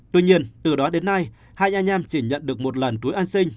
tuy nhiên từ đó đến nay hai anh em chỉ nhận được một lần túi an sinh